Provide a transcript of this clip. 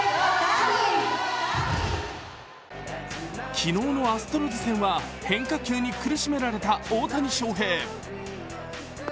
昨日のアストロズ戦は変化球に苦しめられた大谷翔平。